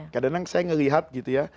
kadang kadang saya ngelihat gitu ya